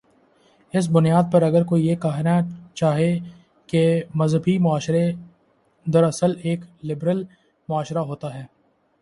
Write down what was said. اس بنیاد پر اگر کوئی یہ کہنا چاہے کہ مذہبی معاشرہ دراصل ایک لبرل معاشرہ ہوتا ہے۔